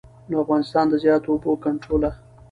نو انسان د زيات او بې کنټروله